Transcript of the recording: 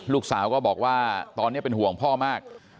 ลูกสาวก็บอกว่าตอนนี้เป็นห่วงพ่อมาก